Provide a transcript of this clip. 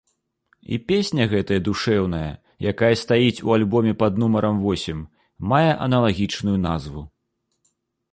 І песня гэтая душэўная, якая стаіць у альбоме пад нумарам восем, мае аналагічную назву.